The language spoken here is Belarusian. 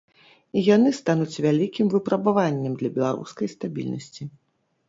І яны стануць вялікім выпрабаваннем для беларускай стабільнасці.